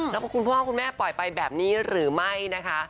แล้วคุณพ่อคุณแม่ปล่อยไปแบบนี้หรือไม่นะคะ